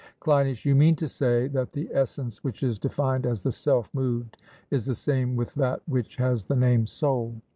CLEINIAS: You mean to say that the essence which is defined as the self moved is the same with that which has the name soul?